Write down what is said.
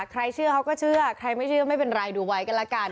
ใครเชื่อเขาก็เชื่อใครไม่เชื่อไม่เป็นไรดูไว้กันละกัน